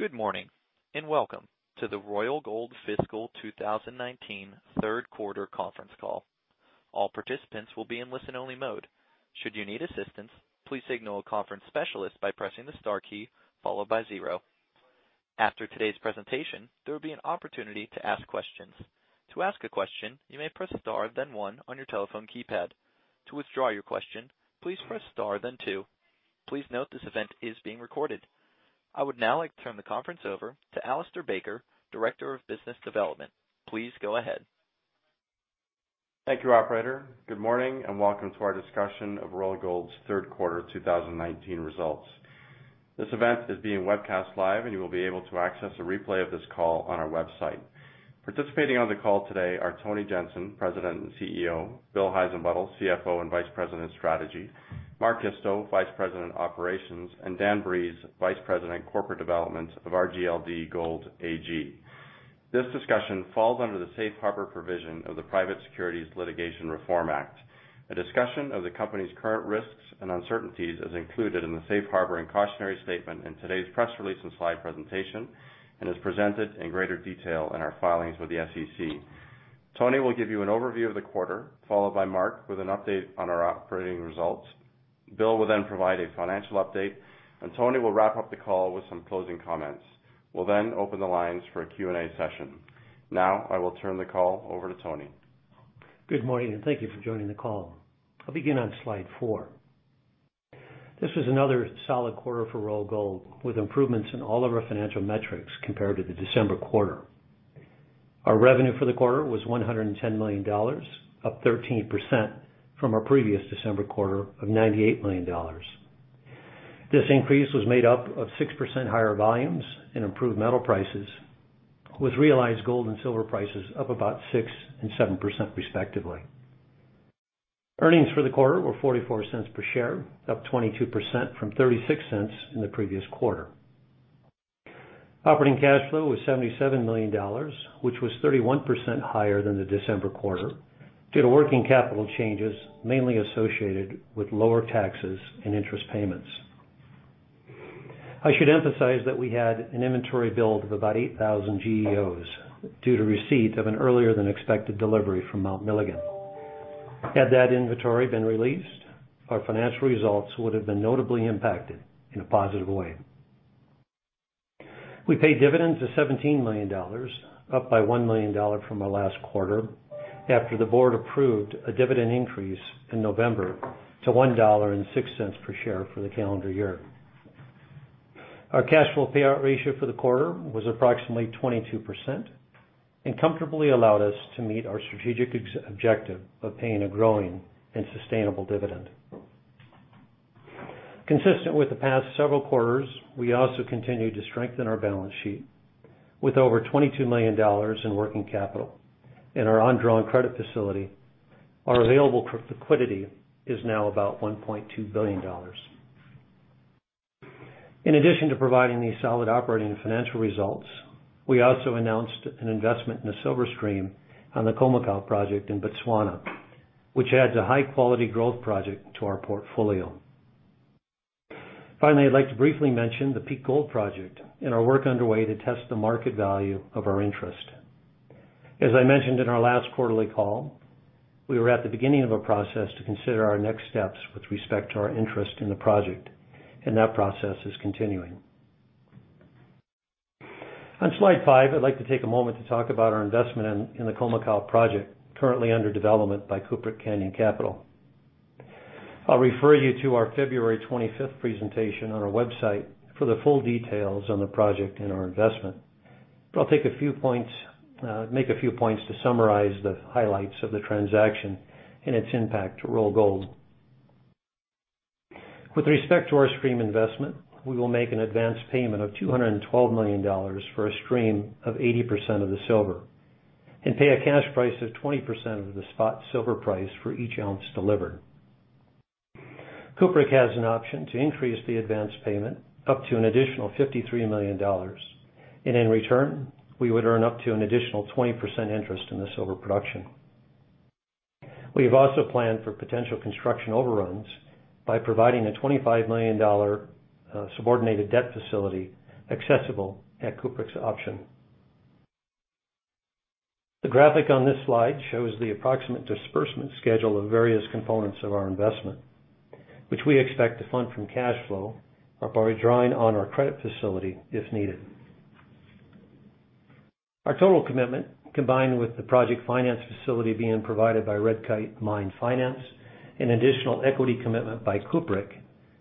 Good morning, welcome to the Royal Gold Fiscal 2019 third quarter conference call. All participants will be in listen-only mode. Should you need assistance, please signal a conference specialist by pressing the star key followed by zero. After today's presentation, there will be an opportunity to ask questions. To ask a question, you may press star then one on your telephone keypad. To withdraw your question, please press star then two. Please note this event is being recorded. I would now like to turn the conference over to Alistair Baker, Director of Business Development. Please go ahead. Thank you, operator. Good morning, welcome to our discussion of Royal Gold's third quarter 2019 results. This event is being webcast live, you will be able to access a replay of this call on our website. Participating on the call today are Tony Jensen, President and CEO; William Heissenbuttel, CFO and Vice President of Strategy; Mark Isto, Vice President Operations; and Daniel Breeze, Vice President Corporate Development of RGLD Gold AG. This discussion falls under the safe harbor provision of the Private Securities Litigation Reform Act. A discussion of the company's current risks and uncertainties is included in the safe harbor and cautionary statement in today's press release and slide presentation and is presented in greater detail in our filings with the SEC. Tony will give you an overview of the quarter, followed by Mark with an update on our operating results. Bill will provide a financial update, Tony will wrap up the call with some closing comments. We'll open the lines for a Q&A session. I will turn the call over to Tony. Good morning, thank you for joining the call. I'll begin on slide four. This was another solid quarter for Royal Gold, with improvements in all of our financial metrics compared to the December quarter. Our revenue for the quarter was $110 million, up 13% from our previous December quarter of $98 million. This increase was made up of 6% higher volumes and improved metal prices, with realized gold and silver prices up about 6% and 7% respectively. Earnings for the quarter were $0.44 per share, up 22% from $0.36 in the previous quarter. Operating cash flow was $77 million, which was 31% higher than the December quarter due to working capital changes, mainly associated with lower taxes and interest payments. I should emphasize that we had an inventory build of about 8,000 GEOs due to receipt of an earlier-than-expected delivery from Mount Milligan. Had that inventory been released, our financial results would have been notably impacted in a positive way. We paid dividends of $17 million, up by $1 million from our last quarter after the board approved a dividend increase in November to $1.06 per share for the calendar year. Our cash flow payout ratio for the quarter was approximately 22% and comfortably allowed us to meet our strategic objective of paying a growing and sustainable dividend. Consistent with the past several quarters, we also continued to strengthen our balance sheet. With over $22 million in working capital and our undrawn credit facility, our available liquidity is now about $1.2 billion. In addition to providing these solid operating and financial results, we also announced an investment in a silver stream on the Khoemacau project in Botswana, which adds a high-quality growth project to our portfolio. I'd like to briefly mention the Peak Gold project and our work underway to test the market value of our interest. As I mentioned in our last quarterly call, we were at the beginning of a process to consider our next steps with respect to our interest in the project, and that process is continuing. On slide five, I'd like to take a moment to talk about our investment in the Khoemacau project, currently under development by Khoemacau Copper Mining. I'll refer you to our February 25th presentation on our website for the full details on the project and our investment. I'll make a few points to summarize the highlights of the transaction and its impact to Royal Gold. With respect to our stream investment, we will make an advance payment of $212 million for a stream of 80% of the silver and pay a cash price of 20% of the spot silver price for each ounce delivered. Khoemacau Copper Mining has an option to increase the advance payment up to an additional $53 million, and in return, we would earn up to an additional 20% interest in the silver production. We have also planned for potential construction overruns by providing a $25 million subordinated debt facility accessible at Khoemacau Copper Mining's option. The graphic on this slide shows the approximate disbursement schedule of various components of our investment, which we expect to fund from cash flow or by drawing on our credit facility if needed. Our total commitment, combined with the project finance facility being provided by Red Kite Mine Finance, an additional equity commitment by Khoemacau Copper Mining,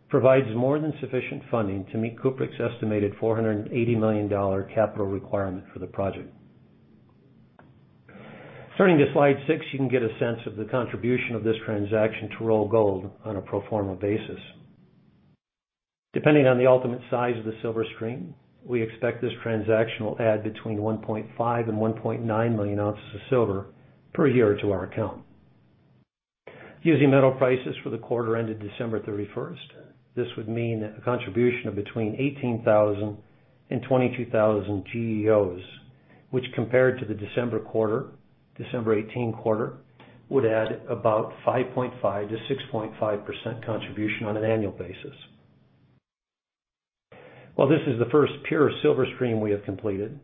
provides more than sufficient funding to meet Khoemacau Copper Mining's estimated $480 million capital requirement for the project. Turning to slide six, you can get a sense of the contribution of this transaction to Royal Gold on a pro forma basis. Depending on the ultimate size of the silver stream, we expect this transaction will add between 1.5 and 1.9 million ounces of silver per year to our account. Using metal prices for the quarter ended December 31, this would mean a contribution of between 18,000 and 22,000 GEOs. Which compared to the December 2018 quarter, would add about 5.5%-6.5% contribution on an annual basis. While this is the first pure silver stream we have completed,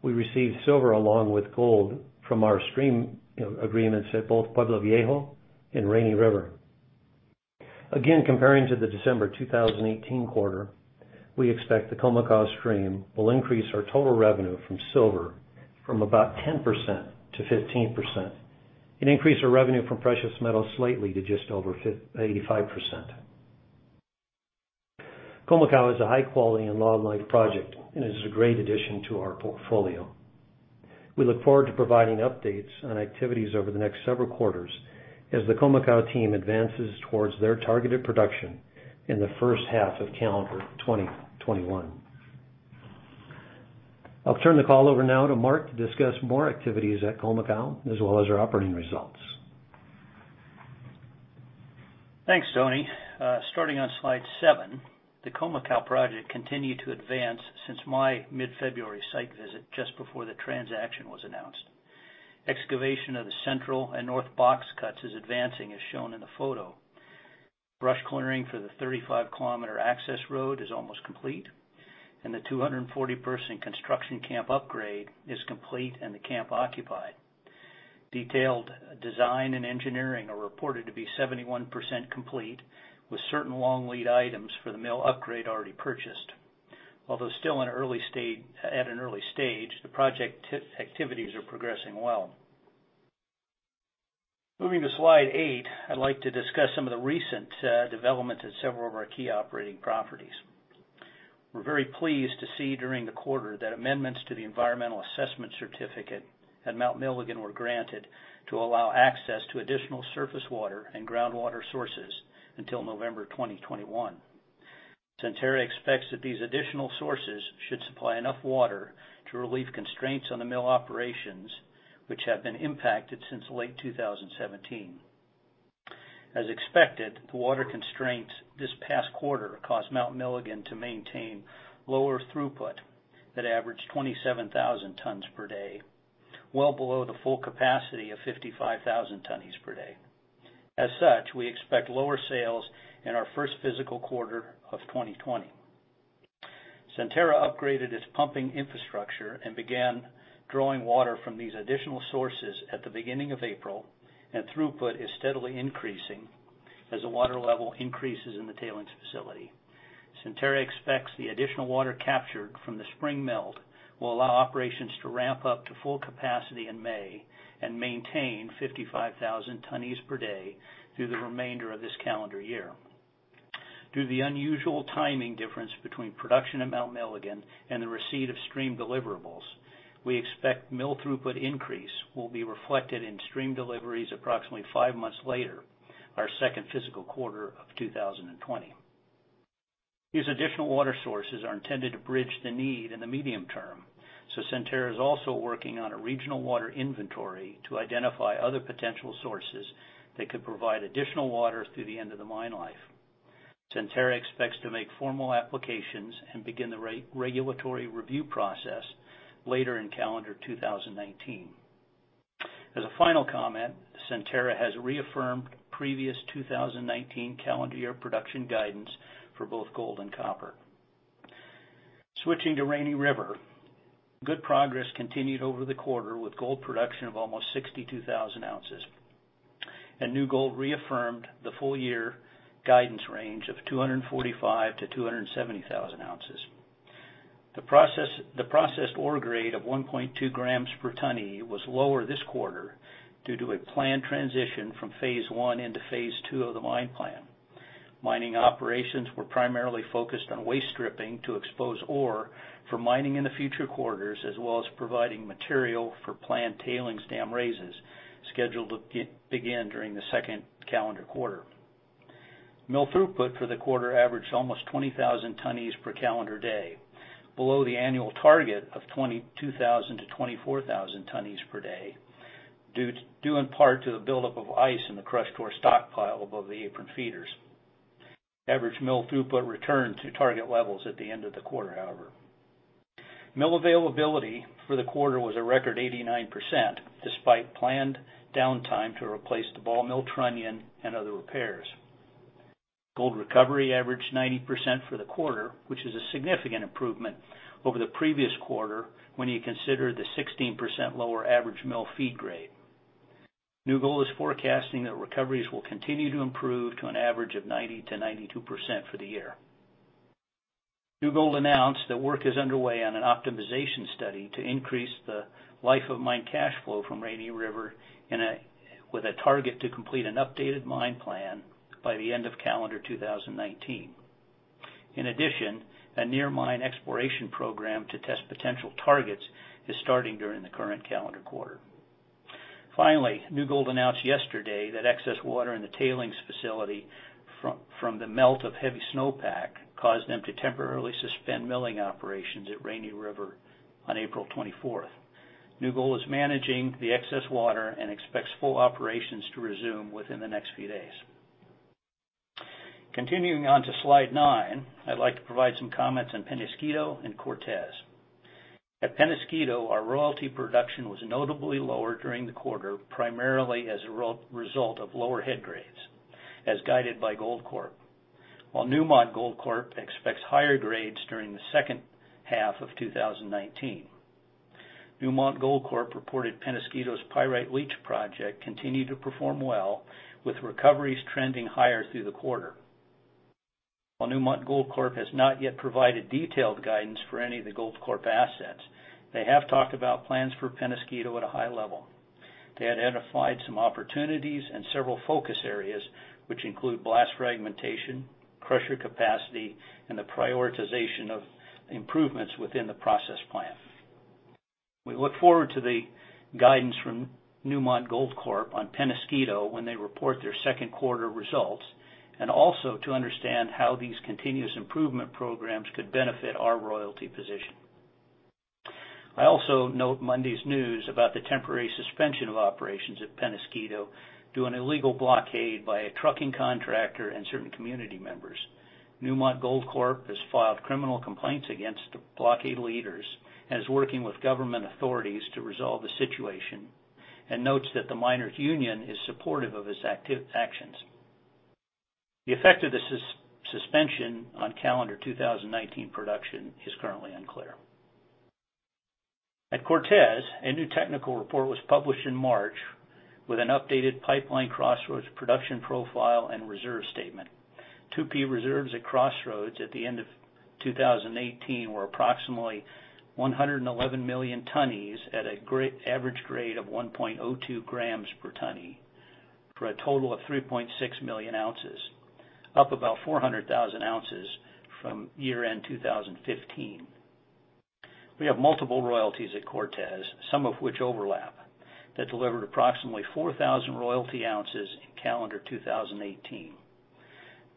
we received silver along with gold from our stream agreements at both Pueblo Viejo and Rainy River. Again, comparing to the December 2018 quarter, we expect the Khoemacau stream will increase our total revenue from silver from about 10%-15%. It increased our revenue from precious metals slightly to just over 85%. Khoemacau is a high quality and long life project and is a great addition to our portfolio. We look forward to providing updates on activities over the next several quarters as the Khoemacau team advances towards their targeted production in the first half of calendar 2021. I'll turn the call over now to Mark to discuss more activities at Khoemacau as well as our operating results. Thanks, Tony. Starting on slide seven, the Khoemacau project continued to advance since my mid-February site visit just before the transaction was announced. Excavation of the central and north box cuts is advancing as shown in the photo. Brush clearing for the 35-kilometer access road is almost complete, and the 240-person construction camp upgrade is complete and the camp occupied. Detailed design and engineering are reported to be 71% complete with certain long lead items for the mill upgrade already purchased. Although still at an early stage, the project activities are progressing well. Moving to slide eight, I'd like to discuss some of the recent development at several of our key operating properties. We're very pleased to see during the quarter that amendments to the environmental assessment certificate at Mount Milligan were granted to allow access to additional surface water and groundwater sources until November 2021. Centerra expects that these additional sources should supply enough water to relieve constraints on the mill operations, which have been impacted since late 2017. As expected, the water constraints this past quarter caused Mount Milligan to maintain lower throughput that averaged 27,000 tons per day, well below the full capacity of 55,000 tonnes per day. As such, we expect lower sales in our first physical quarter of 2020. Centerra upgraded its pumping infrastructure and began drawing water from these additional sources at the beginning of April, and throughput is steadily increasing as the water level increases in the tailings facility. Centerra expects the additional water captured from the spring melt will allow operations to ramp up to full capacity in May and maintain 55,000 tonnes per day through the remainder of this calendar year. Through the unusual timing difference between production at Mount Milligan and the receipt of stream deliverables, we expect mill throughput increase will be reflected in stream deliveries approximately five months later, our second physical quarter of 2020. These additional water sources are intended to bridge the need in the medium term, Centerra is also working on a regional water inventory to identify other potential sources that could provide additional water through the end of the mine life. Centerra expects to make formal applications and begin the regulatory review process later in calendar 2019. As a final comment, Centerra has reaffirmed previous 2019 calendar year production guidance for both gold and copper. Switching to Rainy River. Good progress continued over the quarter with gold production of almost 62,000 ounces. New Gold reaffirmed the full year guidance range of 245,000-270,000 ounces. The processed ore grade of 1.2 grams per tonne was lower this quarter due to a planned transition from phase 1 into phase 2 of the mine plan. Mining operations were primarily focused on waste stripping to expose ore for mining in the future quarters, as well as providing material for planned tailings dam raises scheduled to begin during the second calendar quarter. Mill throughput for the quarter averaged almost 20,000 tonnes per calendar day, below the annual target of 22,000 to 24,000 tonnes per day, due in part to the buildup of ice in the crushed ore stockpile above the apron feeders. Average mill throughput returned to target levels at the end of the quarter, however. Mill availability for the quarter was a record 89%, despite planned downtime to replace the ball mill trunnion and other repairs. Gold recovery averaged 90% for the quarter, which is a significant improvement over the previous quarter when you consider the 16% lower average mill feed grade. New Gold is forecasting that recoveries will continue to improve to an average of 90% to 92% for the year. New Gold announced that work is underway on an optimization study to increase the life of mine cash flow from Rainy River with a target to complete an updated mine plan by the end of calendar 2019. A near mine exploration program to test potential targets is starting during the current calendar quarter. Finally, New Gold announced yesterday that excess water in the tailings facility from the melt of heavy snowpack caused them to temporarily suspend milling operations at Rainy River on April 24th. New Gold is managing the excess water and expects full operations to resume within the next few days. Continuing on to slide nine, I'd like to provide some comments on Penasquito and Cortez. At Penasquito, our royalty production was notably lower during the quarter, primarily as a result of lower head grades, as guided by Goldcorp. Newmont Goldcorp expects higher grades during the second half of 2019. Newmont Goldcorp reported Penasquito's pyrite leach project continued to perform well, with recoveries trending higher through the quarter. Newmont Goldcorp has not yet provided detailed guidance for any of the Goldcorp assets, they have talked about plans for Penasquito at a high level. They identified some opportunities and several focus areas, which include blast fragmentation, crusher capacity, and the prioritization of improvements within the process plant. We look forward to the guidance from Newmont Goldcorp on Penasquito when they report their second quarter results, also to understand how these continuous improvement programs could benefit our royalty position. I also note Monday's news about the temporary suspension of operations at Penasquito due an illegal blockade by a trucking contractor and certain community members. Newmont Goldcorp has filed criminal complaints against the blockade leaders and is working with government authorities to resolve the situation, and notes that the miners' union is supportive of its actions. The effect of the suspension on calendar 2019 production is currently unclear. At Cortez, a new technical report was published in March with an updated Pipeline Crossroads production profile and reserve statement. 2P reserves at Crossroads at the end of 2018 were approximately 111 million tonnes at an average grade of 1.02 grams per tonne, for a total of 3.6 million ounces, up about 400,000 ounces from year-end 2015. We have multiple royalties at Cortez, some of which overlap, that delivered approximately 4,000 royalty ounces in calendar 2018.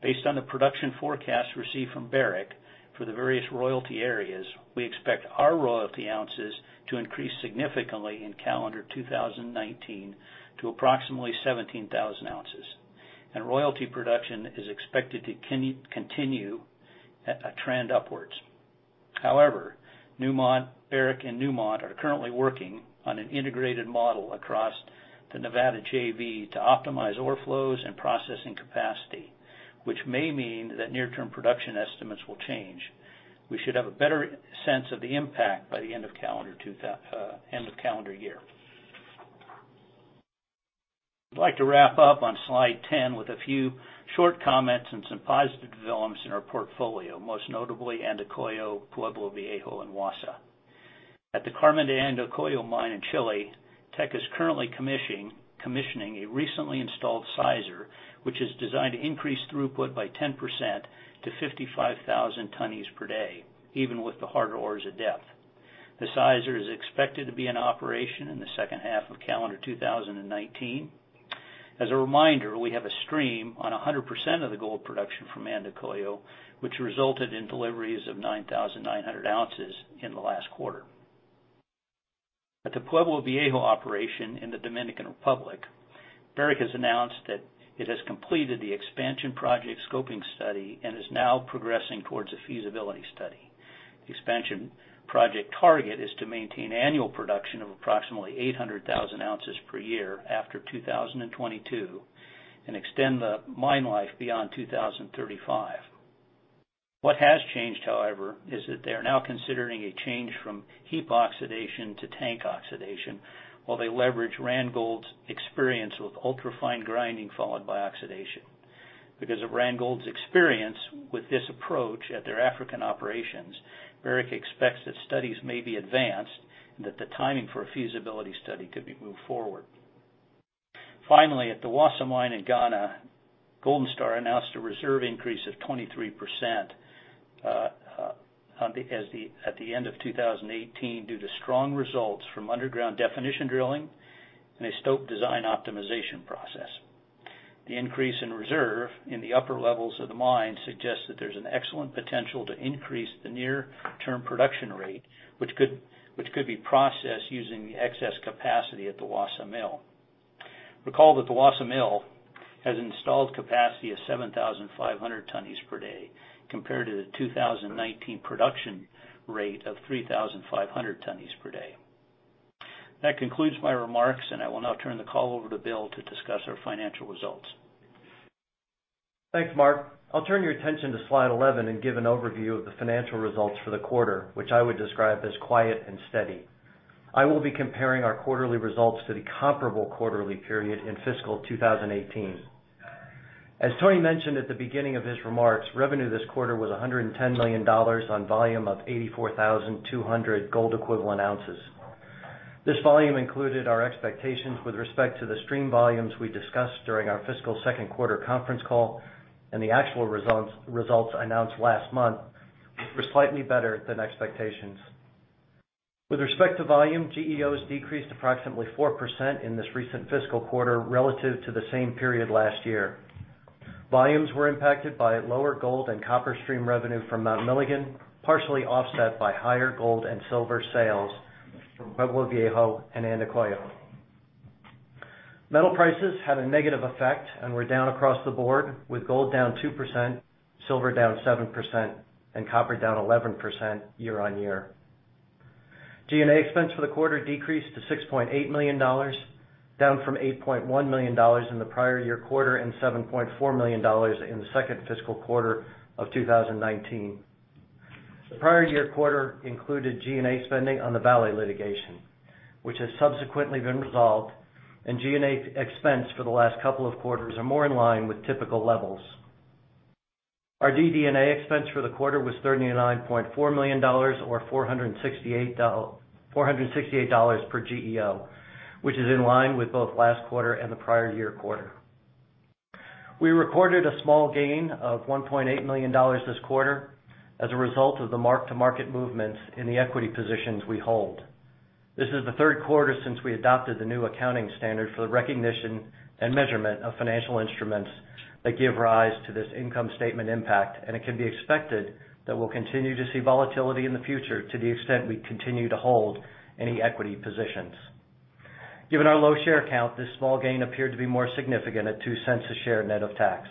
Based on the production forecast received from Barrick for the various royalty areas, we expect our royalty ounces to increase significantly in calendar 2019 to approximately 17,000 ounces. Royalty production is expected to continue a trend upwards. However, Barrick and Newmont are currently working on an integrated model across the Nevada JV to optimize ore flows and processing capacity, which may mean that near-term production estimates will change. We should have a better sense of the impact by the end of calendar year. I'd like to wrap up on slide 10 with a few short comments and some positive developments in our portfolio, most notably Andacollo, Pueblo Viejo, and Wassa. At the Carmen de Andacollo mine in Chile, Teck is currently commissioning a recently installed sizer, which is designed to increase throughput by 10% to 55,000 tonnes per day, even with the harder ores of depth. The sizer is expected to be in operation in the second half of calendar 2019. As a reminder, we have a stream on 100% of the gold production from Andacollo, which resulted in deliveries of 9,900 ounces in the last quarter. At the Pueblo Viejo operation in the Dominican Republic, Barrick has announced that it has completed the expansion project scoping study and is now progressing towards a feasibility study. The expansion project target is to maintain annual production of approximately 800,000 ounces per year after 2022 and extend the mine life beyond 2035. What has changed, however, is that they are now considering a change from heap oxidation to tank oxidation while they leverage Randgold's experience with ultra-fine grinding followed by oxidation. Because of Randgold's experience with this approach at their African operations, Barrick expects that studies may be advanced and that the timing for a feasibility study could be moved forward. Finally, at the Wassa Mine in Ghana, Golden Star announced a reserve increase of 23% at the end of 2018 due to strong results from underground definition drilling and a stope design optimization process. The increase in reserve in the upper levels of the mine suggests that there's an excellent potential to increase the near-term production rate, which could be processed using the excess capacity at the Wassa Mill. Recall that the Wassa Mill has installed capacity of 7,500 tonnes per day, compared to the 2019 production rate of 3,500 tonnes per day. That concludes my remarks, and I will now turn the call over to Bill to discuss our financial results. Thanks, Mark. I'll turn your attention to slide 11 and give an overview of the financial results for the quarter, which I would describe as quiet and steady. I will be comparing our quarterly results to the comparable quarterly period in fiscal 2018. As Tony mentioned at the beginning of his remarks, revenue this quarter was $110 million on volume of 84,200 Gold Equivalent Ounces. This volume included our expectations with respect to the stream volumes we discussed during our fiscal second quarter conference call, and the actual results announced last month were slightly better than expectations. With respect to volume, GEOs decreased approximately 4% in this recent fiscal quarter relative to the same period last year. Volumes were impacted by lower gold and copper stream revenue from Mount Milligan, partially offset by higher gold and silver sales from Pueblo Viejo and Andacollo. Metal prices had a negative effect and were down across the board, with gold down 2%, silver down 7%, and copper down 11% year-on-year. G&A expense for the quarter decreased to $6.8 million, down from $8.1 million in the prior year quarter and $7.4 million in the second fiscal quarter of 2019. The prior year quarter included G&A spending on the Vale litigation, which has subsequently been resolved, and G&A expense for the last couple of quarters are more in line with typical levels. Our DD&A expense for the quarter was $39.4 million or $468 per GEO, which is in line with both last quarter and the prior year quarter. We recorded a small gain of $1.8 million this quarter as a result of the mark-to-market movements in the equity positions we hold. This is the third quarter since we adopted the new accounting standard for the recognition and measurement of financial instruments that give rise to this income statement impact, and it can be expected that we'll continue to see volatility in the future to the extent we continue to hold any equity positions. Given our low share count, this small gain appeared to be more significant at $0.02 a share net of tax.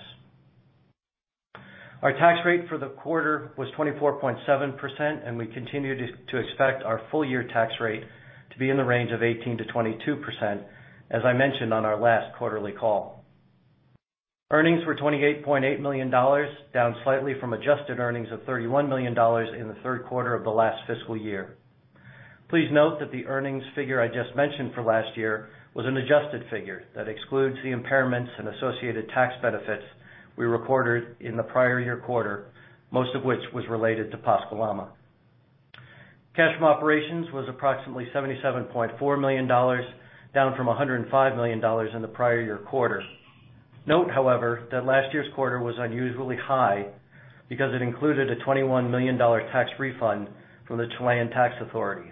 Our tax rate for the quarter was 24.7%, and we continue to expect our full year tax rate to be in the range of 18%-22%, as I mentioned on our last quarterly call. Earnings were $28.8 million, down slightly from adjusted earnings of $31 million in the third quarter of the last fiscal year. Please note that the earnings figure I just mentioned for last year was an adjusted figure that excludes the impairments and associated tax benefits we recorded in the prior year quarter, most of which was related to Pascua-Lama. Cash from operations was approximately $77.4 million, down from $105 million in the prior year quarter. Note, however, that last year's quarter was unusually high because it included a $21 million tax refund from the Chilean Internal Revenue Service.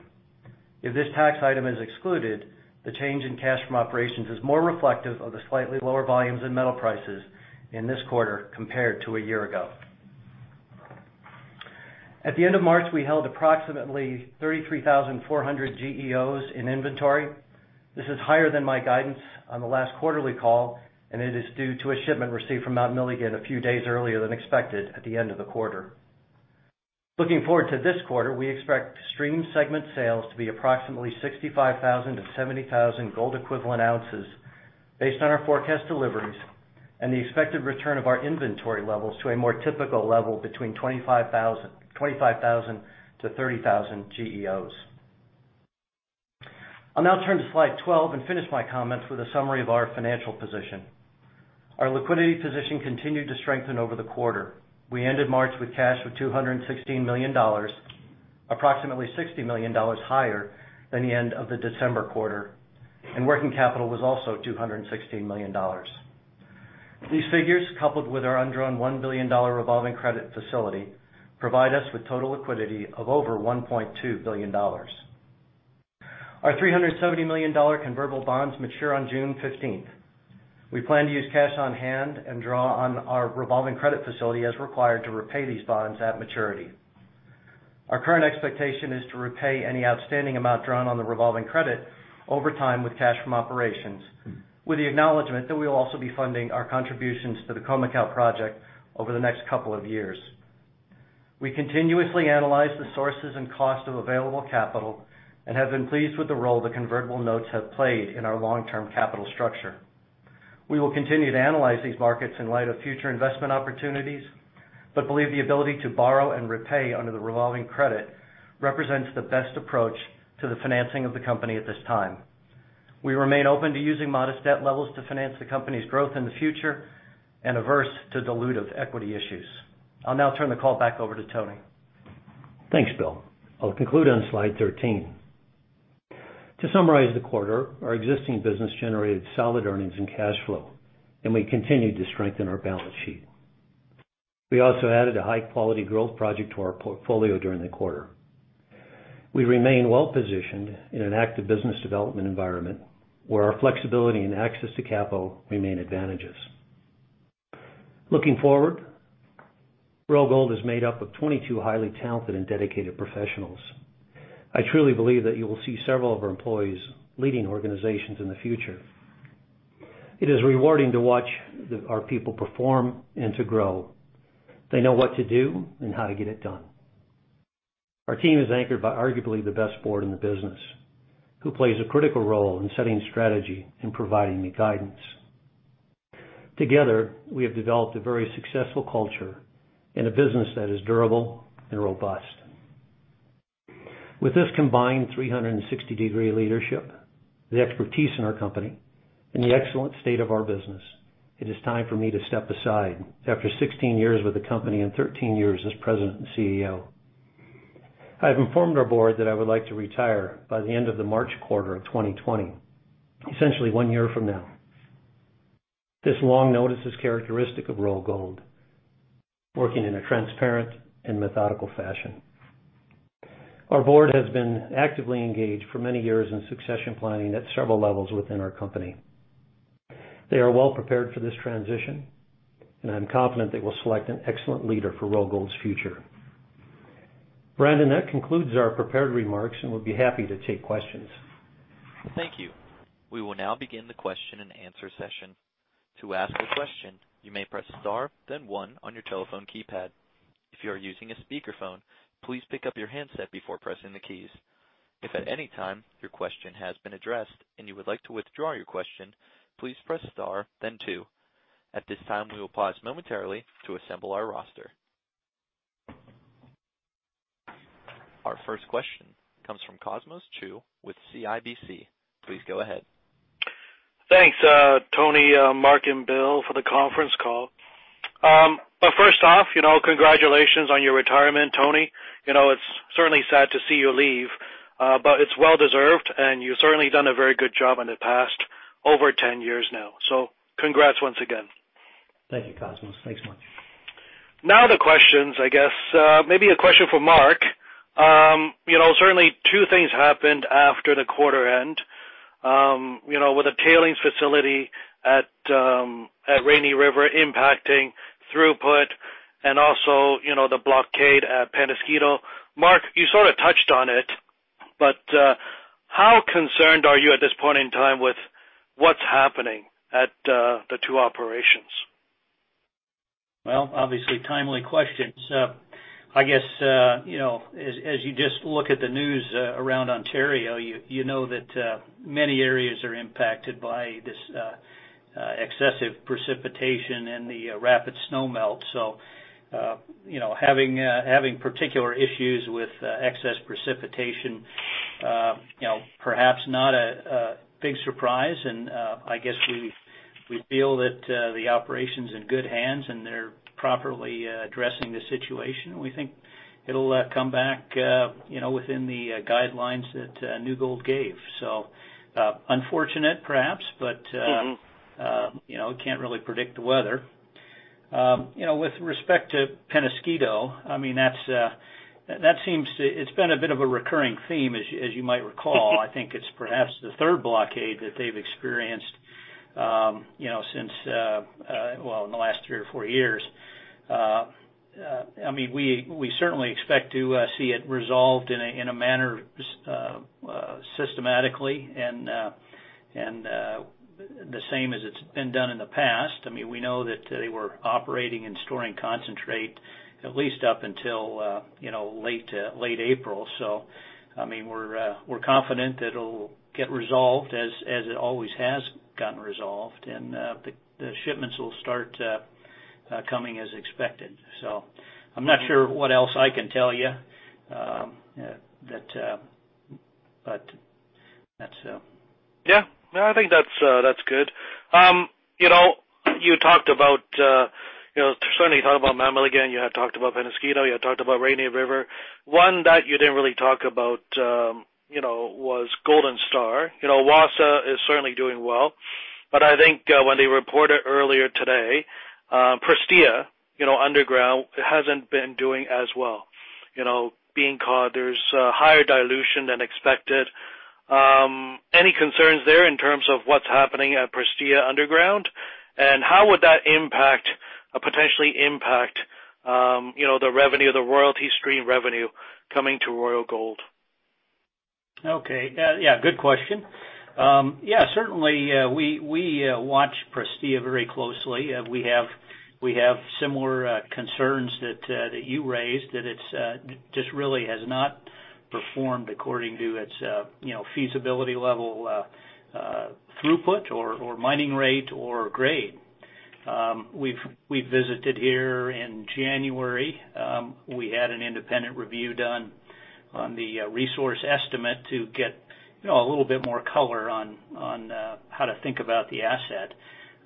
If this tax item is excluded, the change in cash from operations is more reflective of the slightly lower volumes in metal prices in this quarter compared to a year ago. At the end of March, we held approximately 33,400 GEOs in inventory. This is higher than my guidance on the last quarterly call. It is due to a shipment received from Mount Milligan a few days earlier than expected at the end of the quarter. Looking forward to this quarter, we expect stream segment sales to be approximately 65,000-70,000 Gold Equivalent Ounces based on our forecast deliveries and the expected return of our inventory levels to a more typical level between 25,000-30,000 GEOs. I'll now turn to slide 12 and finish my comments with a summary of our financial position. Our liquidity position continued to strengthen over the quarter. We ended March with cash of $216 million, approximately $60 million higher than the end of the December quarter, and working capital was also $216 million. These figures, coupled with our undrawn $1 billion revolving credit facility, provide us with total liquidity of over $1.2 billion. Our $370 million convertible bonds mature on June 15th. We plan to use cash on hand and draw on our revolving credit facility as required to repay these bonds at maturity. Our current expectation is to repay any outstanding amount drawn on the revolving credit over time with cash from operations, with the acknowledgment that we will also be funding our contributions to the Khoemacau project over the next couple of years. We continuously analyze the sources and cost of available capital and have been pleased with the role the convertible notes have played in our long-term capital structure. We will continue to analyze these markets in light of future investment opportunities, believe the ability to borrow and repay under the revolving credit represents the best approach to the financing of the company at this time. We remain open to using modest debt levels to finance the company's growth in the future and averse to dilutive equity issues. I'll now turn the call back over to Tony. Thanks, Bill. I'll conclude on slide 13. To summarize the quarter, our existing business generated solid earnings and cash flow. We continued to strengthen our balance sheet. We also added a high-quality growth project to our portfolio during the quarter. We remain well positioned in an active business development environment where our flexibility and access to capital remain advantages. Looking forward, Royal Gold is made up of 22 highly talented and dedicated professionals. I truly believe that you will see several of our employees leading organizations in the future. It is rewarding to watch our people perform and to grow. They know what to do and how to get it done. Our team is anchored by arguably the best board in the business, who plays a critical role in setting strategy and providing me guidance. Together, we have developed a very successful culture and a business that is durable and robust. With this combined 360-degree leadership, the expertise in our company, and the excellent state of our business, it is time for me to step aside after 16 years with the company and 13 years as president and CEO. I have informed our board that I would like to retire by the end of the March quarter of 2020, essentially one year from now. This long notice is characteristic of Royal Gold, working in a transparent and methodical fashion. Our board has been actively engaged for many years in succession planning at several levels within our company. They are well prepared for this transition, and I'm confident they will select an excellent leader for Royal Gold's future. Brandon, that concludes our prepared remarks. We'll be happy to take questions. Thank you. We will now begin the question and answer session. To ask a question, you may press star, then one on your telephone keypad. If you are using a speakerphone, please pick up your handset before pressing the keys. If at any time your question has been addressed and you would like to withdraw your question, please press star then two. At this time, we will pause momentarily to assemble our roster. Our first question comes from Cosmos Chiu with CIBC. Please go ahead. Thanks, Tony, Mark, and Bill for the conference call. First off, congratulations on your retirement, Tony. It's certainly sad to see you leave, but it's well deserved, and you've certainly done a very good job in the past over 10 years now. Congrats once again. Thank you, Cosmos. Thanks so much. Now the questions, I guess. Maybe a question for Mark. Certainly two things happened after the quarter end, with the tailings facility at Rainy River impacting throughput and also, the blockade at Penasquito. Mark, you sort of touched on it, but how concerned are you at this point in time with what's happening at the two operations? Well, obviously timely questions. I guess, as you just look at the news around Ontario, you know that many areas are impacted by this excessive precipitation and the rapid snow melt. Having particular issues with excess precipitation, perhaps not a big surprise. I guess we feel that the operation's in good hands and they're properly addressing the situation. We think it'll come back within the guidelines that New Gold gave. Unfortunate perhaps, but we can't really predict the weather. With respect to Penasquito, it's been a bit of a recurring theme, as you might recall. I think it's perhaps the third blockade that they've experienced in the last three or four years. We certainly expect to see it resolved in a manner systematically and the same as it's been done in the past. We know that they were operating and storing concentrate at least up until late April. We're confident that it'll get resolved as it always has gotten resolved. The shipments will start coming as expected. I'm not sure what else I can tell you. That's it. Yeah. No, I think that's good. You certainly talked about Mount Milligan, you had talked about Penasquito, you had talked about Rainy River. One that you didn't really talk about was Golden Star. Wassa is certainly doing well. I think when they reported earlier today, Prestea Underground hasn't been doing as well. There's higher dilution than expected. Any concerns there in terms of what's happening at Prestea Underground, and how would that potentially impact the royalty stream revenue coming to Royal Gold? Okay. Yeah, good question. Certainly, we watch Prestea very closely. We have similar concerns that you raised, that it just really has not performed according to its feasibility level throughput or mining rate or grade. We visited here in January. We had an independent review done on the resource estimate to get a little bit more color on how to think about the asset.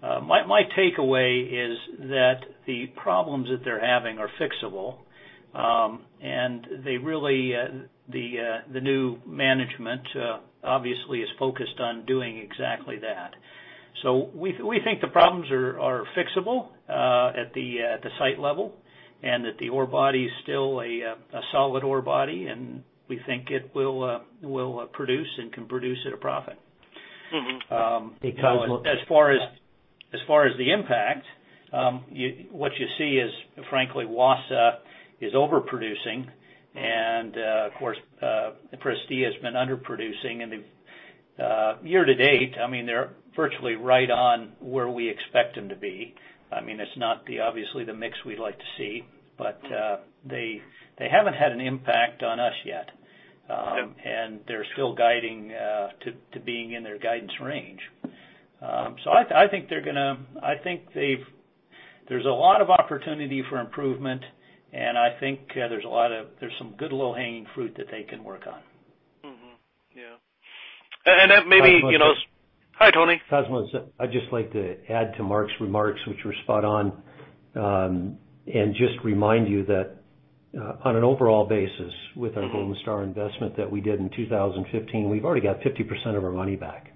My takeaway is that the problems that they're having are fixable. The new management obviously is focused on doing exactly that. We think the problems are fixable at the site level and that the ore body is still a solid ore body, and we think it will produce and can produce at a profit. As far as the impact, what you see is, frankly, Wassa is overproducing and, of course, Prestea has been underproducing. Year to date, they're virtually right on where we expect them to be. It's not obviously the mix we'd like to see, but they haven't had an impact on us yet. They're still guiding to being in their guidance range. I think there's a lot of opportunity for improvement, and I think there's some good low-hanging fruit that they can work on. Yeah. Cosmos- Hi, Tony. Cosmos, I'd just like to add to Mark's remarks, which were spot on. Just remind you that on an overall basis with our Golden Star investment that we did in 2015, we've already got 50% of our money back.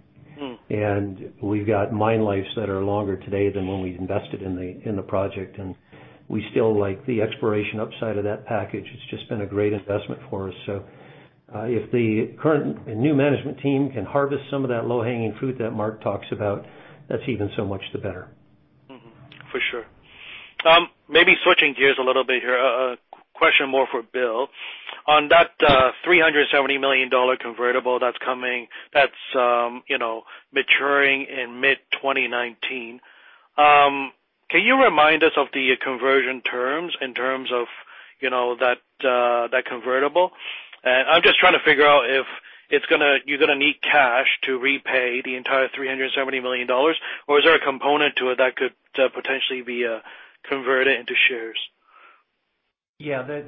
We've got mine lives that are longer today than when we invested in the project, and we still like the exploration upside of that package. It's just been a great investment for us. If the current new management team can harvest some of that low-hanging fruit that Mark talks about, that's even so much the better. For sure. Maybe switching gears a little bit here. A question more for Bill. On that $370 million convertible that's maturing in mid-2019, can you remind us of the conversion terms in terms of that convertible? I'm just trying to figure out if you're going to need cash to repay the entire $370 million, or is there a component to it that could potentially be converted into shares? Yeah. The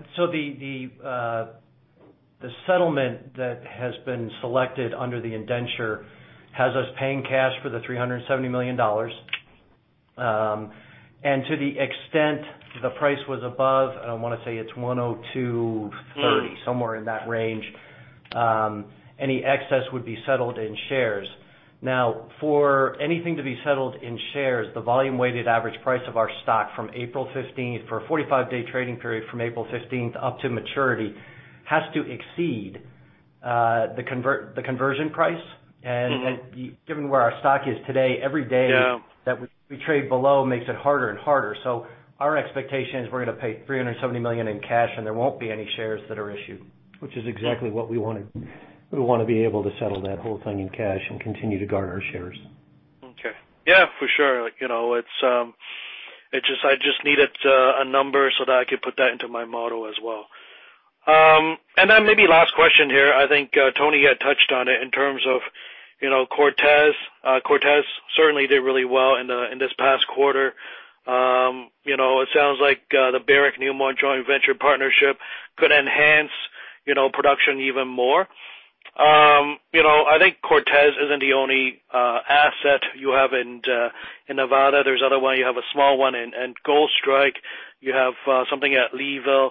settlement that has been selected under the indenture has us paying cash for the $370 million. To the extent the price was above, I want to say it's $102.30, somewhere in that range, any excess would be settled in shares. For anything to be settled in shares, the volume weighted average price of our stock for a 45-day trading period from April 15th up to maturity has to exceed the conversion price. Given where our stock is today, every day- Yeah that we trade below makes it harder and harder. Our expectation is we're going to pay $370 million in cash, and there won't be any shares that are issued. Which is exactly what we wanted. We want to be able to settle that whole thing in cash and continue to guard our shares. Okay. Yeah, for sure. I just needed a number so that I could put that into my model as well. Maybe last question here. I think Tony had touched on it in terms of Cortez. Cortez certainly did really well in this past quarter. It sounds like the Barrick-Newmont joint venture partnership could enhance production even more. I think Cortez isn't the only asset you have in Nevada. There's other ones. You have a small one in Goldstrike. You have something at Leeville.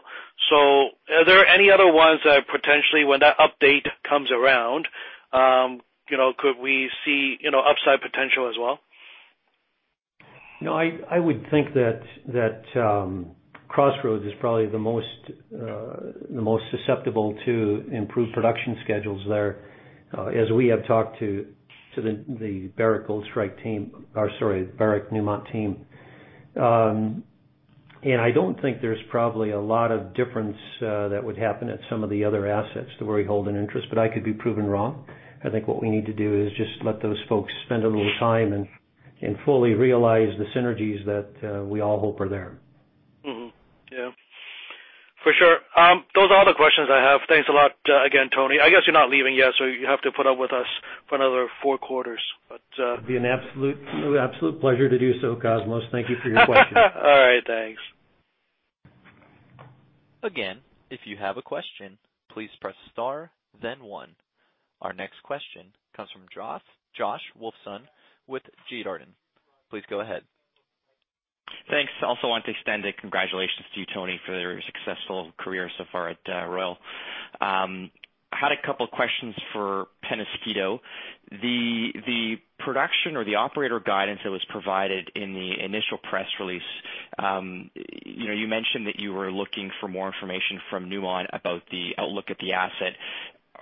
Are there any other ones that potentially, when that update comes around, could we see upside potential as well? I would think that Crossroads is probably the most susceptible to improved production schedules there, as we have talked to the Barrick Goldstrike team or sorry, Barrick-Newmont team. I don't think there's probably a lot of difference that would happen at some of the other assets where we hold an interest, but I could be proven wrong. I think what we need to do is just let those folks spend a little time and fully realize the synergies that we all hope are there. Mm-hmm. Yeah. For sure. Those are all the questions I have. Thanks a lot again, Tony. I guess you're not leaving yet, so you have to put up with us for another four quarters. It'd be an absolute pleasure to do so, Cosmos. Thank you for your question. All right. Thanks. Again, if you have a question, please press star then one. Our next question comes from Josh Wolfson with J.D. Arden. Please go ahead. Thanks. Also want to extend a congratulations to you, Tony, for your successful career so far at Royal. Had a couple questions for Penasquito. The production or the operator guidance that was provided in the initial press release. You mentioned that you were looking for more information from Newmont about the outlook at the asset.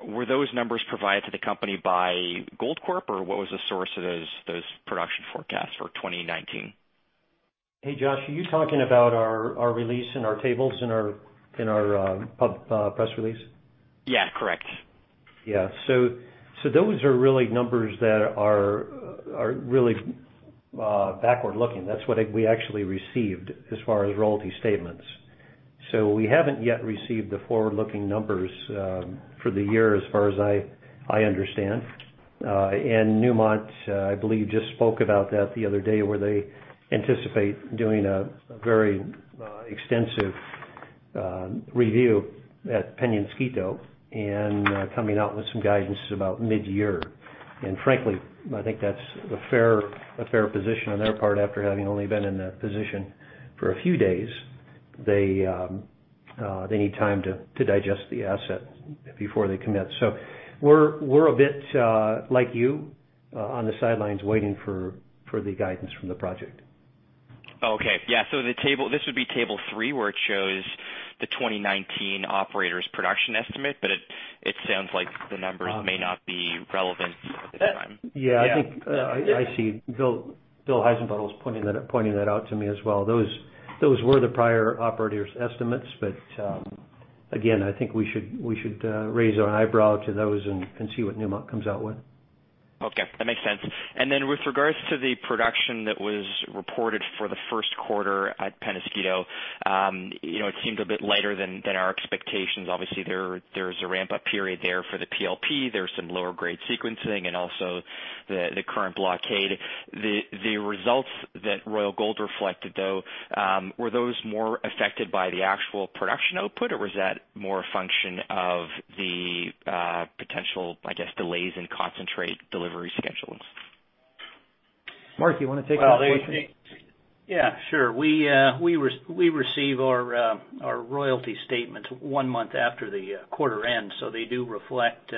Were those numbers provided to the company by Goldcorp, or what was the source of those production forecasts for 2019? Hey, Josh, are you talking about our release and our tables in our press release? Yeah, correct. Yeah. Those are really numbers that are really backward-looking. That's what we actually received as far as royalty statements. We haven't yet received the forward-looking numbers for the year as far as I understand. Newmont, I believe, just spoke about that the other day, where they anticipate doing a very extensive review at Penasquito and coming out with some guidance about mid-year. Frankly, I think that's a fair position on their part after having only been in that position for a few days. They need time to digest the asset before they commit. We're a bit like you, on the sidelines waiting for the guidance from the project. Okay. Yeah. This would be table three, where it shows the 2019 operator's production estimate, but it sounds like the numbers may not be relevant at the time. Yeah, I think I see Bill Heissenbuttel's pointing that out to me as well. Those were the prior operators' estimates. Again, I think we should raise our eyebrow to those and see what Newmont comes out with. Okay, that makes sense. Then with regards to the production that was reported for the first quarter at Penasquito, it seemed a bit lighter than our expectations. Obviously, there's a ramp-up period there for the PLP. There's some lower grade sequencing and also the current blockade. The results that Royal Gold reflected, though, were those more affected by the actual production output, or was that more a function of the potential, I guess, delays in concentrate delivery schedules? Mark Isto, you want to take that question? Yeah, sure. We receive our royalty statements one month after the quarter ends. They do reflect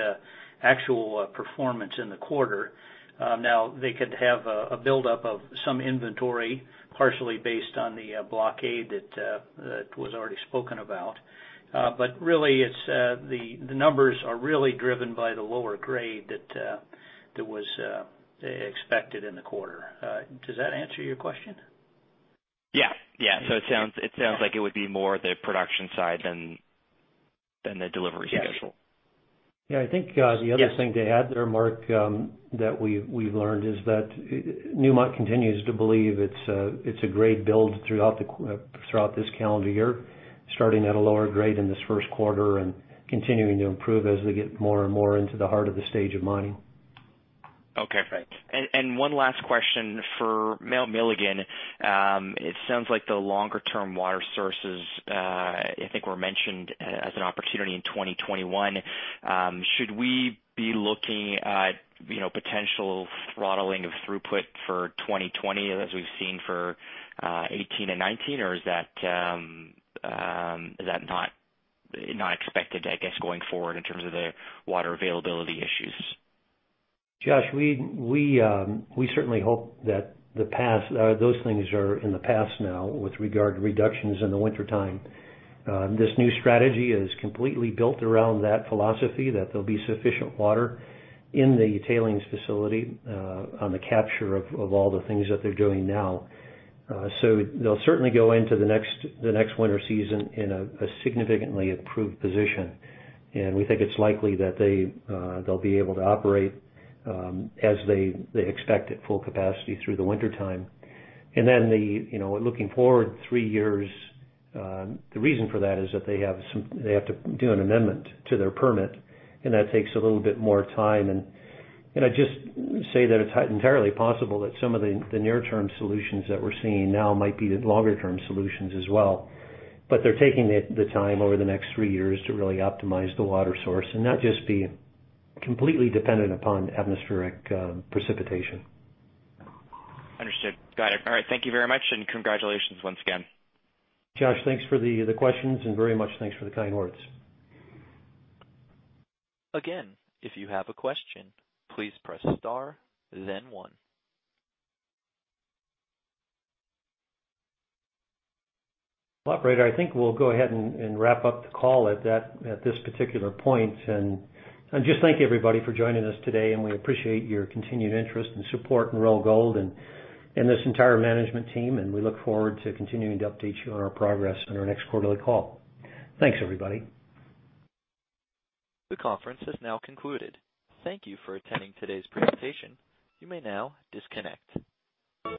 actual performance in the quarter. Now, they could have a buildup of some inventory partially basedThe blockade that was already spoken about. Really, the numbers are really driven by the lower grade that was expected in the quarter. Does that answer your question? Yeah. It sounds like it would be more the production side than the delivery schedule. Yes. Yeah, I think the other thing to add there, Mark Isto, that we've learned is that Newmont Corporation continues to believe it's a great build throughout this calendar year, starting at a lower grade in this first quarter and continuing to improve as they get more and more into the heart of the stage of mining. Okay, thanks. One last question for Mount Milligan. It sounds like the longer-term water sources, I think, were mentioned as an opportunity in 2021. Should we be looking at potential throttling of throughput for 2020 as we've seen for '18 and '19, or is that not expected, I guess, going forward in terms of the water availability issues? Josh, we certainly hope that those things are in the past now with regard to reductions in the wintertime. This new strategy is completely built around that philosophy, that there'll be sufficient water in the tailings facility on the capture of all the things that they're doing now. They'll certainly go into the next winter season in a significantly improved position, and we think it's likely that they'll be able to operate as they expect at full capacity through the wintertime. Looking forward three years, the reason for that is that they have to do an amendment to their permit, and that takes a little bit more time. I'd just say that it's entirely possible that some of the near-term solutions that we're seeing now might be the longer-term solutions as well. They're taking the time over the next three years to really optimize the water source and not just be completely dependent upon atmospheric precipitation. Understood, got it. All right. Thank you very much, and congratulations once again. Josh, thanks for the questions and very much, thanks for the kind words. Again, if you have a question, please press star then one. Operator, I think we'll go ahead and wrap up the call at this particular point. Just thank you, everybody, for joining us today, and we appreciate your continued interest and support in Royal Gold and this entire management team, and we look forward to continuing to update you on our progress on our next quarterly call. Thanks, everybody. The conference has now concluded. Thank you for attending today's presentation. You may now disconnect.